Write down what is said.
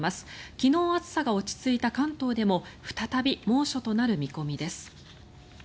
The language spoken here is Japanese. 昨日、暑さが落ち着いた関東でも再び猛暑となる見込みです。